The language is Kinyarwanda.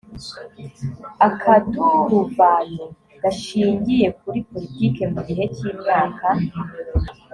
akaduruvayo gashingiye kuri politiki mu gihe cy imyaka